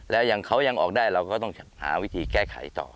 แล้วอย่างเขายังออกได้เราก็ต้องหาวิธีแก้ไขต่อ